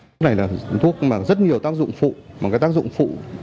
thuốc này là thuốc mà có rất nhiều tác dụng phụ